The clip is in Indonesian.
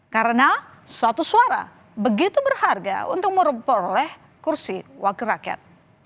karena suatu suara begitu berharga untuk mereporeh kursi wakil rakyat